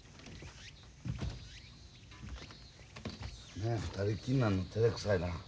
何や２人っきりになるのてれくさいな。